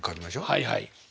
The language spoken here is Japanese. はいはい。